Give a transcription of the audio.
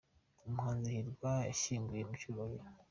Umuhanzi Hirwa yashyinguwe mu cyubahiro